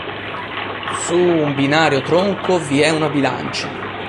Su un binario tronco vi è un bilancia.